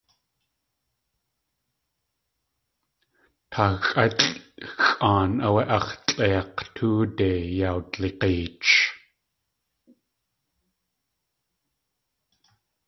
Táaxʼálʼ xʼaan áwé ax̲ tlʼeik̲ tóode yawdig̲eech.